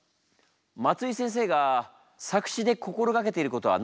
松井先生が作詞で心掛けていることは何でしょうか？